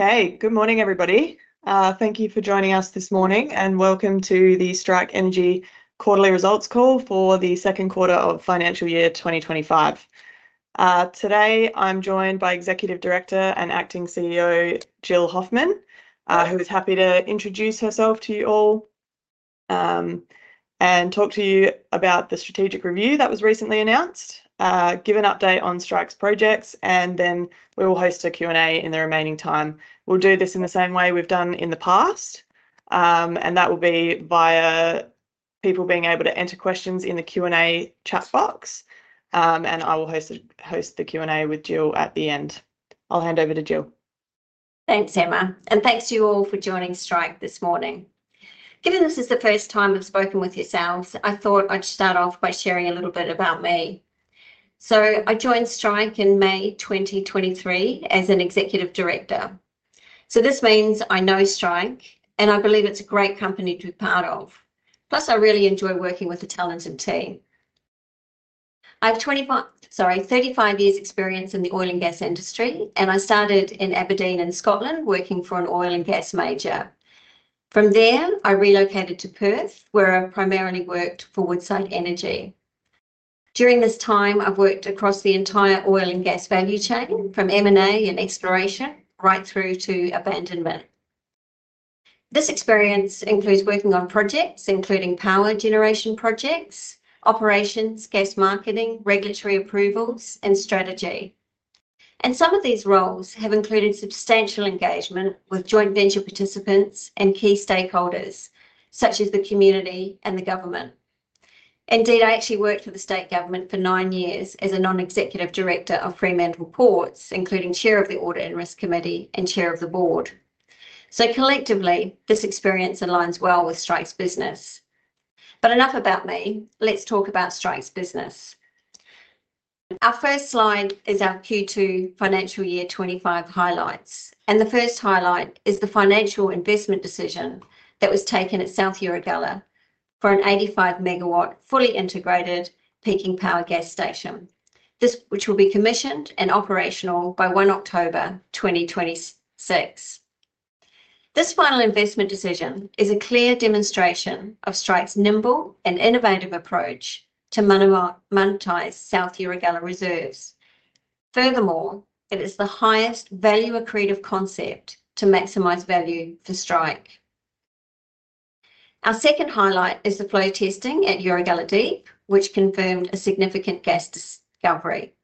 Okay, good morning, everybody. Thank you for joining us this morning, and welcome to the Strike Energy Quarterly Results Call for the Q2 of financial year 2025. Today, I'm joined by Executive Director and Acting CEO, Jill Hoffmann, who is happy to introduce herself to you all and talk to you about the strategic review that was recently announced, give an update on Strike's projects, and then we will host a Q&A in the remaining time. We'll do this in the same way we've done in the past, and that will be via people being able to enter questions in the Q&A chat box, and I will host the Q&A with Jill at the end. I'll hand over to Jill. Thanks, Emma, and thanks to you all for joining Strike this morning. Given this is the first time I've spoken with yourselves, I thought I'd start off by sharing a little bit about me. So I joined Strike in May 2023 as an Executive Director. So this means I know Strike, and I believe it's a great company to be part of. Plus, I really enjoy working with the talented team. I have 25, sorry, 35 years' experience in the oil and gas industry, and I started in Aberdeen in Scotland working for an oil and gas major. From there, I relocated to Perth, where I primarily worked for Woodside Energy. During this time, I've worked across the entire oil and gas value chain, from M&A and exploration right through to abandonment. This experience includes working on projects, including power generation projects, operations, gas marketing, regulatory approvals, and strategy. Some of these roles have included substantial engagement with joint venture participants and key stakeholders, such as the community and the government. Indeed, I actually worked for the state government for nine years as a non-executive director of Fremantle Ports, including chair of the Audit and Risk Committee and chair of the board. Collectively, this experience aligns well with Strike's business. Enough about me. Let's talk about Strike's business. Our first slide is our Q2 financial year 2025 highlights. The first highlight is the final investment decision that was taken at South Erregulla for an 85MW fully integrated peaking gas power station, which will be commissioned and operational by 1 October 2026. This final investment decision is a clear demonstration of Strike's nimble and innovative approach to monetize South Erregulla reserves. Furthermore, it is the highest value-accretive concept to maximize value for Strike. Our second highlight is the flow testing at Erregulla Deep, which confirmed a significant gas discovery.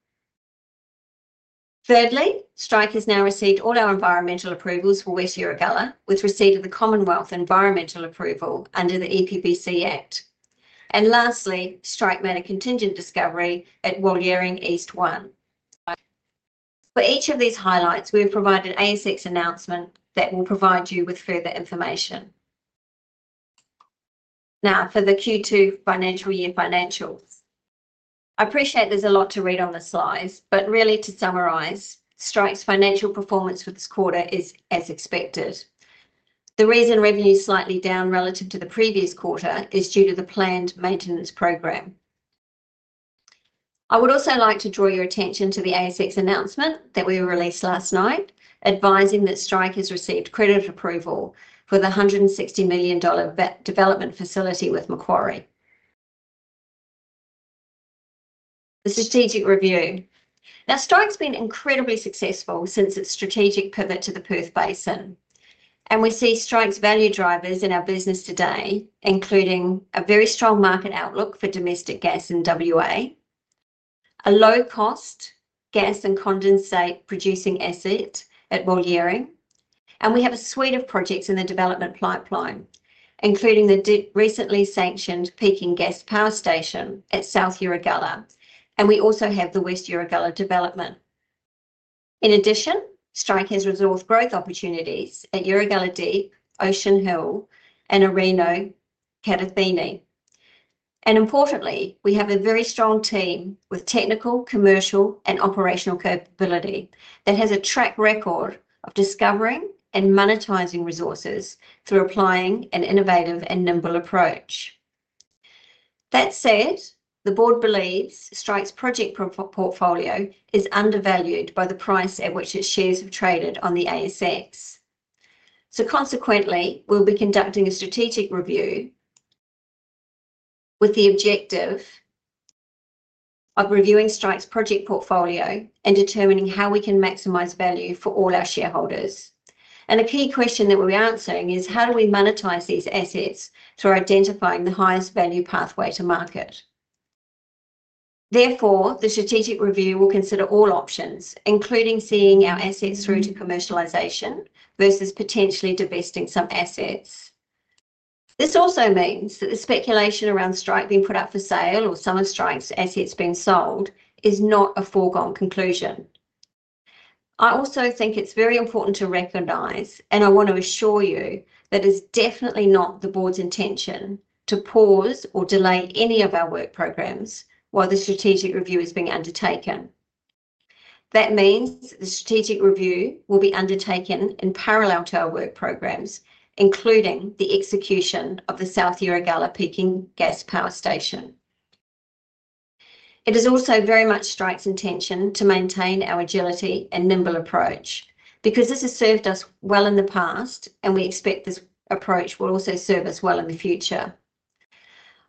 Thirdly, Strike has now received all our environmental approvals for West Erregulla with receipt of the Commonwealth Environmental Approval under the EPBC Act, and lastly, Strike made a contingent discovery at Walliering East-1. For each of these highlights, we have provided an ASX announcement that will provide you with further information. Now, for the Q2 financial year financials, I appreciate there's a lot to read on the slides, but really, to summarize, Strike's financial performance for this quarter is as expected. The reason revenue is slightly down relative to the previous quarter is due to the planned maintenance program. I would also like to draw your attention to the ASX announcement that we released last night, advising that Strike has received credit approval for the 160 million dollar development facility with Macquarie. The strategic review. Now, Strike's been incredibly successful since its strategic pivot to the Perth Basin, and we see Strike's value drivers in our business today, including a very strong market outlook for domestic gas in WA, a low-cost gas and condensate-producing asset at Walliering, and we have a suite of projects in the development pipeline, including the recently sanctioned peaking gas power station at South Erregulla. And we also have the West Erregulla development. In addition, Strike has reserve growth opportunities at Erregulla Deep, Ocean Hill, and Arrino Kadathinni. And importantly, we have a very strong team with technical, commercial, and operational capability that has a track record of discovering and monetizing resources through applying an innovative and nimble approach. That said, the board believes Strike's project portfolio is undervalued by the price at which its shares have traded on the ASX. So consequently, we'll be conducting a strategic review with the objective of reviewing Strike's project portfolio and determining how we can maximize value for all our shareholders. And a key question that we'll be answering is, how do we monetize these assets through identifying the highest value pathway to market? Therefore, the strategic review will consider all options, including seeing our assets through to commercialization versus potentially divesting some assets. This also means that the speculation around Strike being put up for sale or some of Strike's assets being sold is not a foregone conclusion. I also think it's very important to recognize, and I want to assure you that it's definitely not the board's intention to pause or delay any of our work programs while the strategic review is being undertaken. That means the strategic review will be undertaken in parallel to our work programs, including the execution of the South Erregulla peaking gas power station. It is also very much Strike's intention to maintain our agility and nimble approach because this has served us well in the past, and we expect this approach will also serve us well in the future.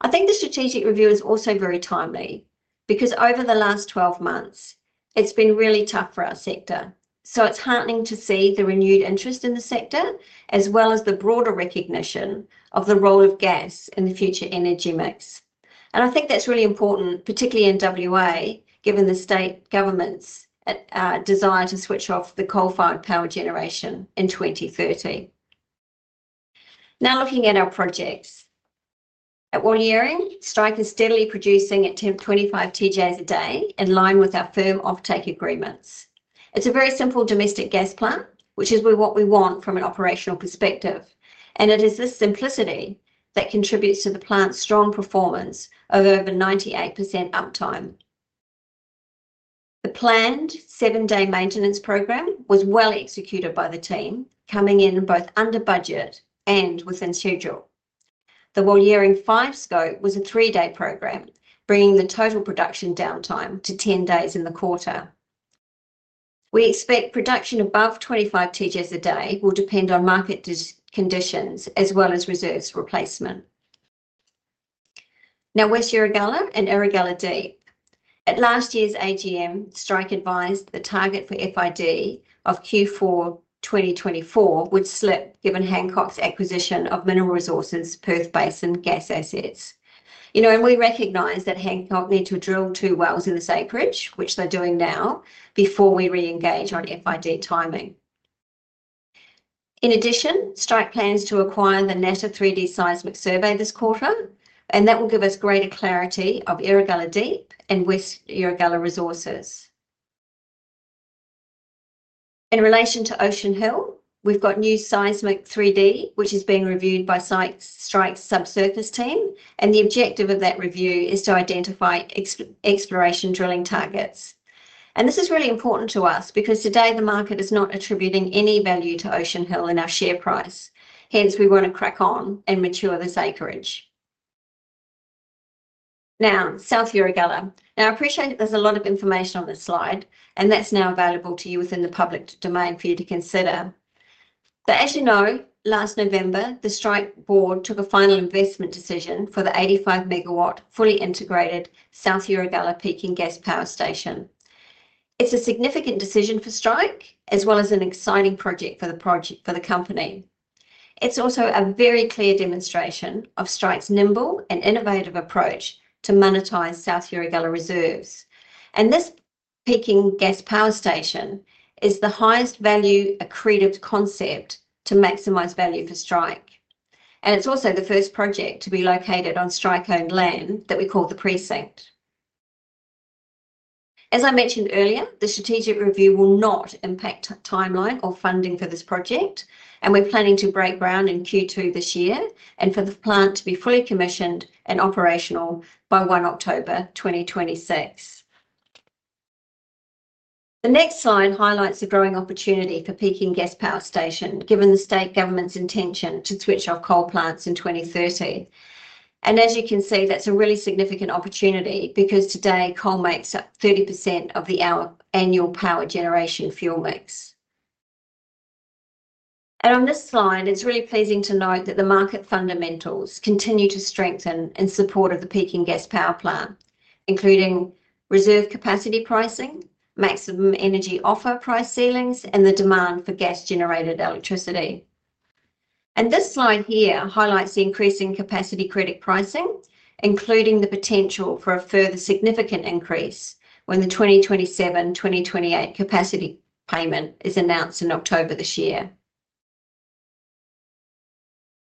I think the strategic review is also very timely because over the last 12 months, it's been really tough for our sector, so it's heartening to see the renewed interest in the sector as well as the broader recognition of the role of gas in the future energy mix, and I think that's really important, particularly in WA, given the state government's desire to switch off the coal-fired power generation in 2030. Now, looking at our projects, at Walliering, Strike is steadily producing at 25 TJs a day in line with our firm offtake agreements. It's a very simple domestic gas plant, which is what we want from an operational perspective. And it is this simplicity that contributes to the plant's strong performance of over 98% uptime. The planned seven-day maintenance program was well executed by the team, coming in both under budget and within schedule. The Walliering-5 scope was a three-day program, bringing the total production downtime to 10 days in the quarter. We expect production above 25 TJs a day will depend on market conditions as well as reserves replacement. Now, West Erregulla and Erregulla Deep. At last year's AGM, Strike advised the target for FID of Q4 2024 would slip given Hancock's acquisition of Mineral Resources, Perth Basin gas assets. You know, and we recognize that Hancock needs to drill two wells in this acreage, which they're doing now, before we re-engage on FID timing. In addition, Strike plans to acquire the Natta 3D seismic survey this quarter, and that will give us greater clarity of Erregulla Deep and West Erregulla resources. In relation to Ocean Hill, we've got new 3D seismic, which is being reviewed by Strike's subsurface team, and the objective of that review is to identify exploration drilling targets. And this is really important to us because today the market is not attributing any value to Ocean Hill in our share price. Hence, we want to crack on and mature this acreage. Now, South Erregulla. Now, I appreciate there's a lot of information on this slide, and that's now available to you within the public domain for you to consider. But as you know, last November, the Strike board took a final investment decision for the 85MW fully integrated South Erregulla peaking gas power station. It's a significant decision for Strike, as well as an exciting project for the company. It's also a very clear demonstration of Strike's nimble and innovative approach to monetize South Erregulla reserves. And this peaking gas power station is the highest value-accretive concept to maximize value for Strike. And it's also the first project to be located on Strike-owned land that we call the Precinct. As I mentioned earlier, the strategic review will not impact timeline or funding for this project, and we're planning to break ground in Q2 this year and for the plant to be fully commissioned and operational by 1 October 2026. The next slide highlights the growing opportunity for peaking gas power station, given the state government's intention to switch off coal plants in 2030, and as you can see, that's a really significant opportunity because today coal makes up 30% of the annual power generation fuel mix, and on this slide, it's really pleasing to note that the market fundamentals continue to strengthen in support of the peaking gas power plant, including reserve capacity pricing, maximum energy offer price ceilings, and the demand for gas-generated electricity, and this slide here highlights the increasing capacity credit pricing, including the potential for a further significant increase when the 2027-2028 capacity payment is announced in October this year,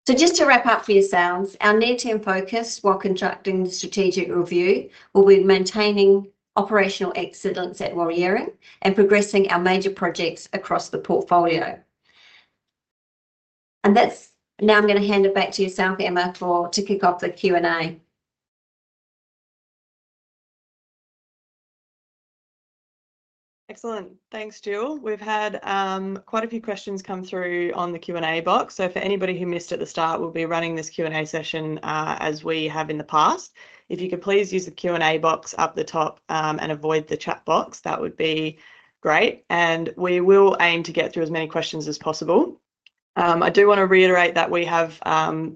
so just to wrap up for yourselves, our near-term focus while conducting the strategic review will be maintaining operational excellence at Walliering and progressing our major projects across the portfolio. That's now. I'm going to hand it back to yourself, Emma, to kick off the Q&A. Excellent. Thanks, Jill. We've had quite a few questions come through on the Q&A box. So for anybody who missed at the start, we'll be running this Q&A session as we have in the past. If you could please use the Q&A box up the top and avoid the chat box, that would be great, and we will aim to get through as many questions as possible. I do want to reiterate that we are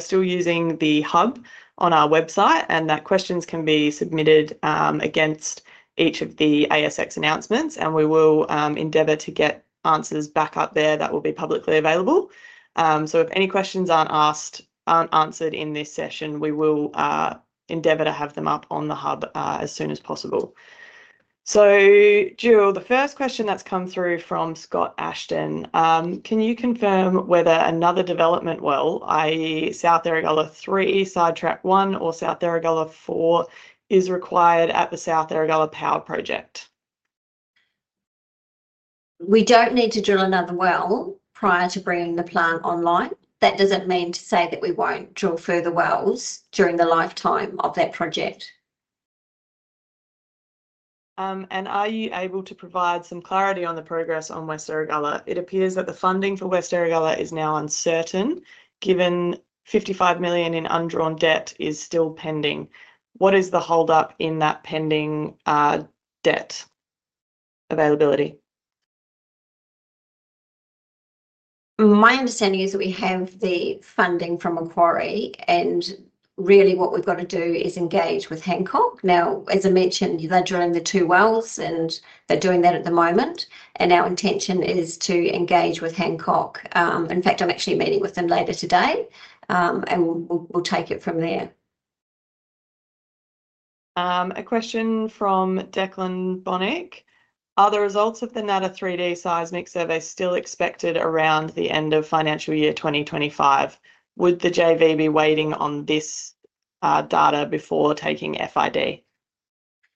still using the hub on our website, and that questions can be submitted against each of the ASX announcements, and we will endeavor to get answers back up there that will be publicly available. So if any questions aren't answered in this session, we will endeavor to have them up on the hub as soon as possible. Jill, the first question that's come through from Scott Ashton, can you confirm whether another development well, i.e., South Erregulla Three, Sidetrack One, or South Erregulla Four is required at the South Erregulla Power Project? We don't need to drill another well prior to bringing the plant online. That doesn't mean to say that we won't drill further wells during the lifetime of that project. Are you able to provide some clarity on the progress on West Erregulla? It appears that the funding for West Erregulla is now uncertain, given 55 million in undrawn debt is still pending. What is the holdup in that pending debt availability? My understanding is that we have the funding from Macquarie, and really what we've got to do is engage with Hancock. Now, as I mentioned, they're drilling the two wells, and they're doing that at the moment. And our intention is to engage with Hancock. In fact, I'm actually meeting with them later today, and we'll take it from there. A question from Declan Bonic. Are the results of the Natta 3D seismic survey still expected around the end of financial year 2025? Would the JV be waiting on this data before taking FID?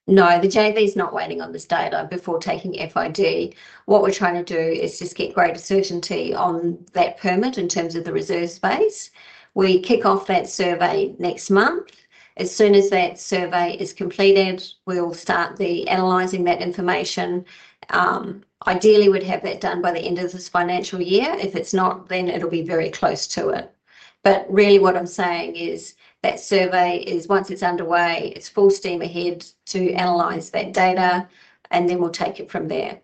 No, the JV is not waiting on this data before taking FID. What we're trying to do is just get greater certainty on that permit in terms of the reserve space. We kick off that survey next month. As soon as that survey is completed, we'll start analyzing that information. Ideally, we'd have that done by the end of this financial year. If it's not, then it'll be very close to it. But really what I'm saying is that survey is, once it's underway, it's full steam ahead to analyze that data, and then we'll take it from there.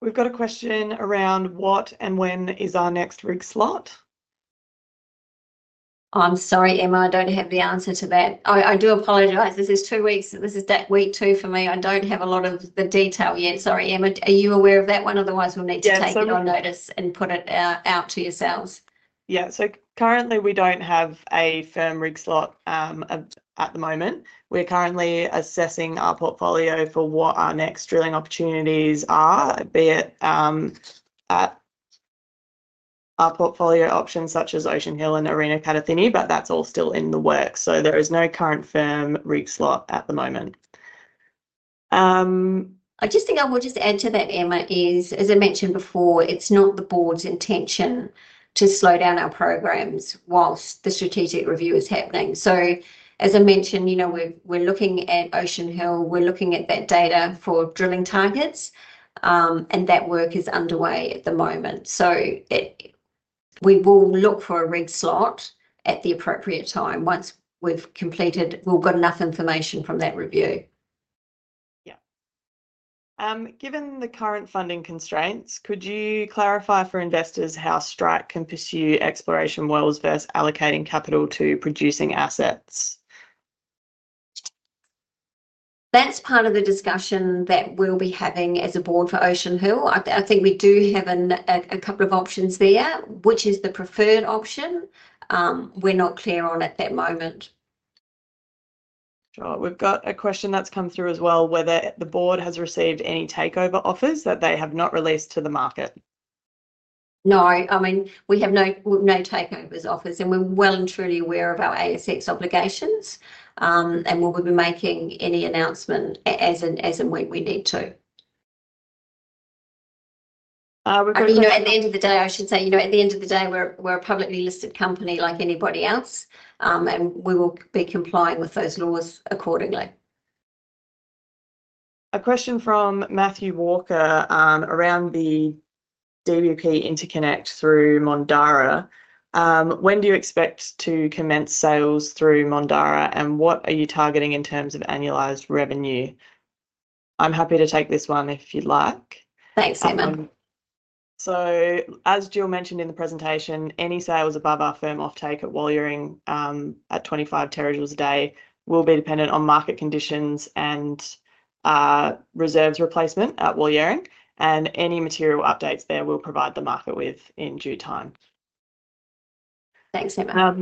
We've got a question around what and when is our next rig slot? I'm sorry, Emma, I don't have the answer to that. I do apologize. This is two weeks. This is week two for me. I don't have a lot of the detail yet. Sorry, Emma, are you aware of that one? Otherwise, we'll need to take your notice and put it out to yourselves. Yeah. So currently, we don't have a firm rig slot at the moment. We're currently assessing our portfolio for what our next drilling opportunities are, be it our portfolio options such as Ocean Hill and Arrino Kadathinni, but that's all still in the works. So there is no current firm rig slot at the moment. I just think I will just add to that, Emma. As I mentioned before, it's not the board's intention to slow down our programs while the strategic review is happening. So, as I mentioned, you know, we're looking at Ocean Hill. We're looking at that data for drilling targets, and that work is underway at the moment. So we will look for a rig slot at the appropriate time. Once we've completed, we'll get enough information from that review. Yeah. Given the current funding constraints, could you clarify for investors how Strike can pursue exploration wells versus allocating capital to producing assets? That's part of the discussion that we'll be having as a board for Ocean Hill. I think we do have a couple of options there. Which is the preferred option? We're not clear on at that moment. Sure. We've got a question that's come through as well, whether the board has received any takeover offers that they have not released to the market. No. I mean, we have no takeover offers, and we're well and truly aware of our ASX obligations and will be making any announcement as and when we need to. We've got questions. At the end of the day, I should say, you know, at the end of the day, we're a publicly listed company like anybody else, and we will be complying with those laws accordingly. A question from Matthew Walker around the DBP Interconnect through Mondara. When do you expect to commence sales through Mondara, and what are you targeting in terms of annualized revenue? I'm happy to take this one if you'd like. Thanks, Emma. So, as Jill mentioned in the presentation, any sales above our firm offtake at Walliering at 25 terajoules a day will be dependent on market conditions and reserves replacement at Walliering, and any material updates there we'll provide the market with in due time. Thanks, Emma.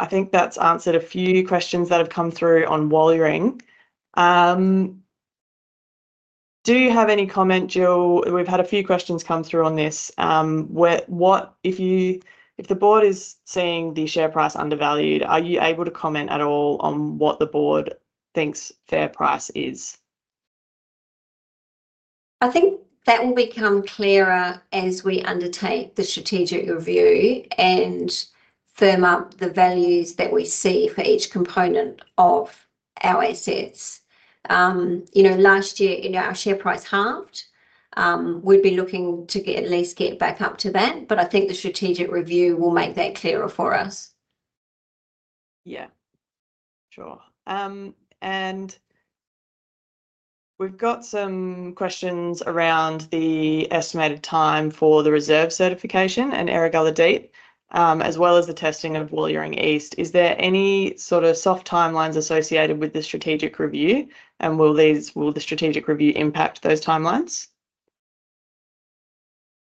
I think that's answered a few questions that have come through on Walliering. Do you have any comment, Jill? We've had a few questions come through on this. If the board is seeing the share price undervalued, are you able to comment at all on what the board thinks fair price is? I think that will become clearer as we undertake the strategic review and firm up the values that we see for each component of our assets. You know, last year, our share price halved. We'd be looking to at least get back up to that, but I think the strategic review will make that clearer for us. Yeah. Sure. And we've got some questions around the estimated time for the reserve certification and Erregulla Deep, as well as the testing of Walliering East. Is there any sort of soft timelines associated with the strategic review, and will the strategic review impact those timelines?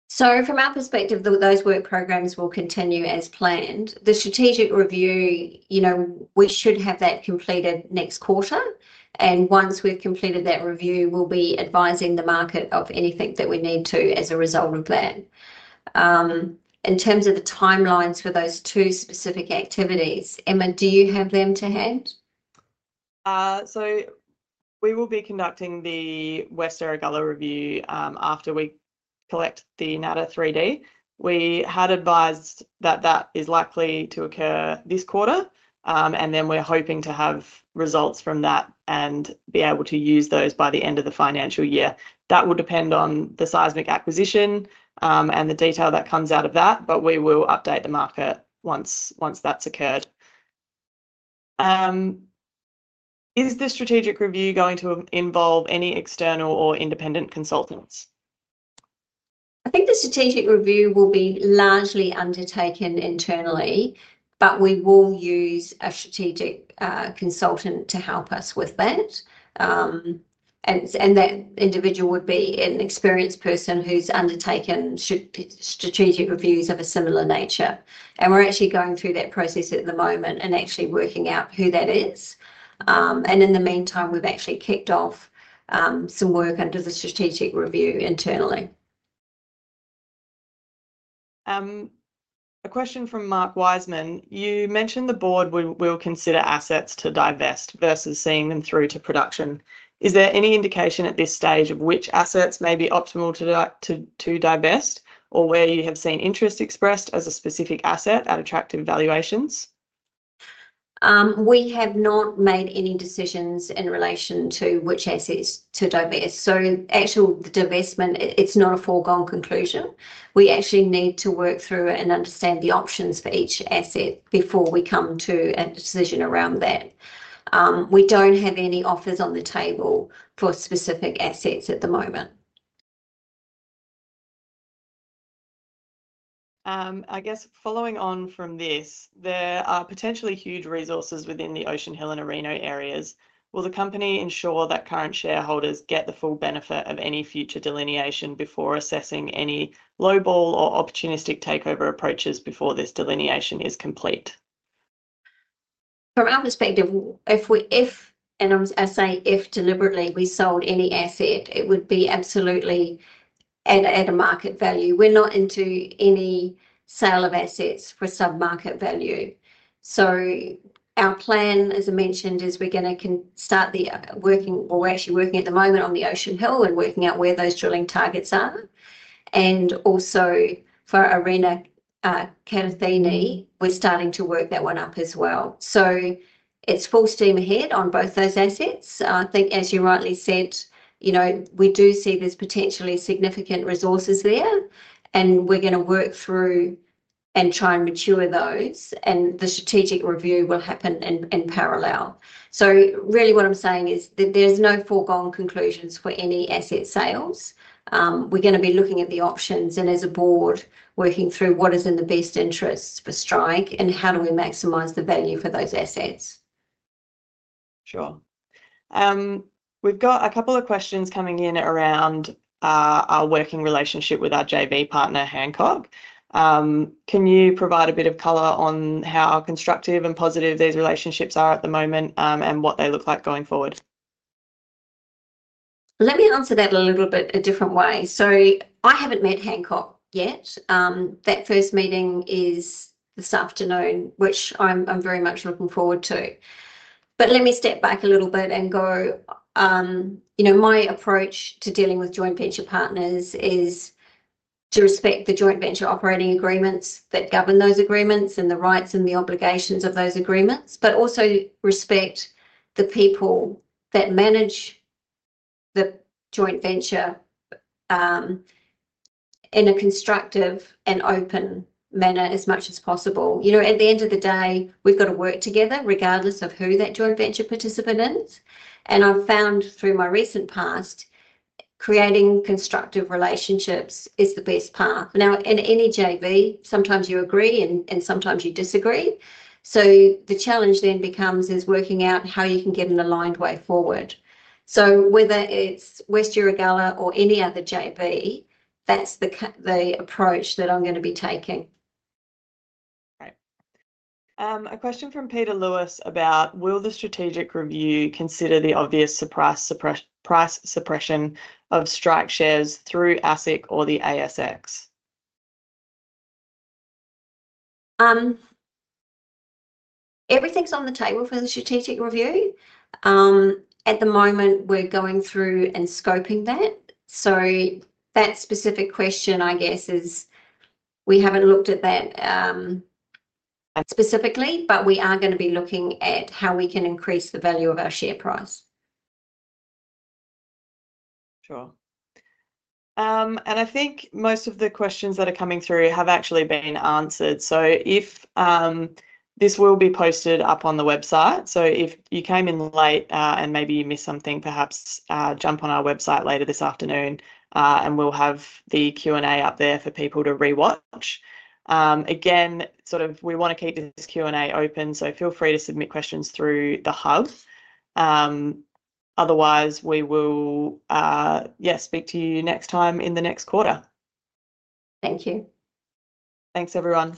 So, from our perspective, those work programs will continue as planned. The strategic review, you know, we should have that completed next quarter, and once we've completed that review, we'll be advising the market of anything that we need to as a result of that. In terms of the timelines for those two specific activities, Emma, do you have them to hand? We will be conducting the West Erregulla review after we collect the Natta 3D. We had advised that that is likely to occur this quarter, and then we're hoping to have results from that and be able to use those by the end of the financial year. That will depend on the seismic acquisition and the detail that comes out of that, but we will update the market once that's occurred. Is the strategic review going to involve any external or independent consultants? I think the strategic review will be largely undertaken internally, but we will use a strategic consultant to help us with that. And that individual would be an experienced person who's undertaken strategic reviews of a similar nature. And we're actually going through that process at the moment and actually working out who that is. And in the meantime, we've actually kicked off some work under the strategic review internally. A question from Mark Wiseman. You mentioned the board will consider assets to divest versus seeing them through to production. Is there any indication at this stage of which assets may be optimal to divest or where you have seen interest expressed as a specific asset at attractive valuations? We have not made any decisions in relation to which assets to divest. So, actual divestment, it's not a foregone conclusion. We actually need to work through and understand the options for each asset before we come to a decision around that. We don't have any offers on the table for specific assets at the moment. I guess following on from this, there are potentially huge resources within the Ocean Hill and Arrino areas. Will the company ensure that current shareholders get the full benefit of any future delineation before assessing any low-ball or opportunistic takeover approaches before this delineation is complete? From our perspective, if we, and I say if deliberately, we sold any asset, it would be absolutely at a market value. We're not into any sale of assets for sub-market value. So, our plan, as I mentioned, is, well, we're actually working at the moment on the Ocean Hill and working out where those drilling targets are. And also, for Arrino Kadathinni, we're starting to work that one up as well. So, it's full steam ahead on both those assets. I think, as you rightly said, you know, we do see there's potentially significant resources there, and we're going to work through and try and mature those. And the strategic review will happen in parallel. So, really what I'm saying is that there's no foregone conclusions for any asset sales. We're going to be looking at the options and, as a board, working through what is in the best interest for Strike and how do we maximize the value for those assets. Sure. We've got a couple of questions coming in around our working relationship with our JV partner, Hancock. Can you provide a bit of color on how constructive and positive these relationships are at the moment and what they look like going forward? Let me answer that a little bit a different way. So, I haven't met Hancock yet. That first meeting is this afternoon, which I'm very much looking forward to. But let me step back a little bit and go, you know, my approach to dealing with joint venture partners is to respect the joint venture operating agreements that govern those agreements and the rights and the obligations of those agreements, but also respect the people that manage the joint venture in a constructive and open manner as much as possible. You know, at the end of the day, we've got to work together regardless of who that joint venture participant is. And I've found through my recent past, creating constructive relationships is the best path. Now, in any JV, sometimes you agree and sometimes you disagree. So, the challenge then becomes working out how you can get an aligned way forward. So, whether it's West Erregulla or any other JV, that's the approach that I'm going to be taking. Okay. A question from Peter Lewis about: Will the strategic review consider the obvious price suppression of Strike shares through ASIC or the ASX? Everything's on the table for the strategic review. At the moment, we're going through and scoping that. So, that specific question, I guess, is we haven't looked at that specifically, but we are going to be looking at how we can increase the value of our share price. Sure. And I think most of the questions that are coming through have actually been answered. So, this will be posted up on the website. So, if you came in late and maybe you missed something, perhaps jump on our website later this afternoon, and we'll have the Q&A up there for people to rewatch. Again, sort of we want to keep this Q&A open, so feel free to submit questions through the hub. Otherwise, we will, yeah, speak to you next time in the next quarter. Thank you. Thanks, everyone.